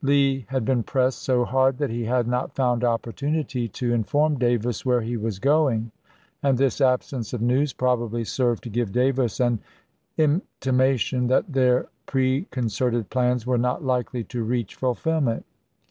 Lee had been pressed so hard that he had not found opportunity to inform Davis where he was going, and this absence of news probably served to give Davis an intima tion that their preconcerted plans were not likely to reach fulfillment.